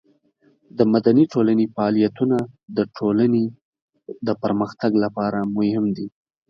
د مدني ټولنې فعالیتونه د ټولنې د پرمختګ لپاره مهم دي.